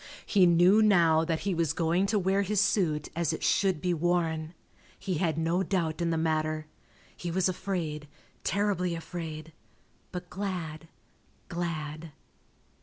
He knew now that he was going to wear his suit as it should be worn. He had no doubt in the matter. He was afraid, terribly afraid, but glad, glad.